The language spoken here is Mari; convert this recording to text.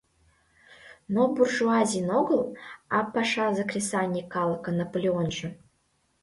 Но буржуазийын огыл, а пашазе-кресаньык калыкын Наполеонжо.